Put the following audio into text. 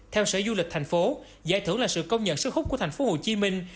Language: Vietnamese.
theo sở du lịch thành phố giải thưởng là sự công nhận sức hút của thành phố hồ chí minh